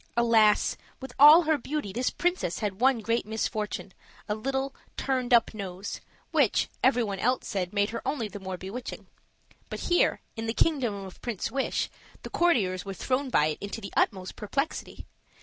Alas! with all her beauty, this princess had one great misfortune, a little turned up nose, which, every one else said made her only the more bewitching. But here, in the kingdom of Prince Wish, the courtiers were thrown by it into the utmost perplexity.